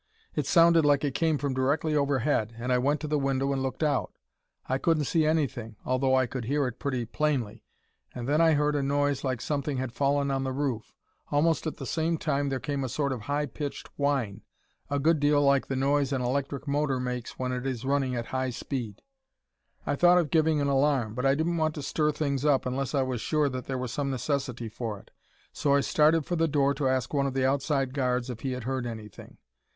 It sounded like it came from directly overhead and I went to the window and looked out. I couldn't see anything, although I could hear it pretty plainly, and then I heard a noise like something had fallen on the roof. Almost at the same time there came a sort of high pitched whine, a good deal like the noise an electric motor makes when it is running at high speed. "I thought of giving an alarm, but I didn't want to stir things up unless I was sure that there was some necessity for it, so I started for the door to ask one of the outside guards if he had heard anything.